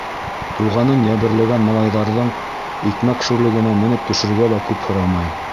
Туғанын йәберләгән малайҙарҙың икмәк шүрлегенә менеп төшөргә лә күп һорамай.